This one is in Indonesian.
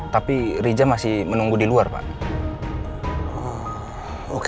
tapi rija masih menunggu di luar pak